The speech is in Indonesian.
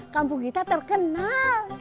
kampung kita terkenal